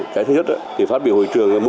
cái thứ nhất là phát biểu hội trường là một